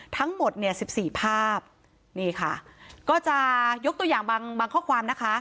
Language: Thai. ทั้งหมดเนี่ยสิบสี่ภาพนี่ค่ะก็จะยกตัวอย่างบางบางข้อความนะคะ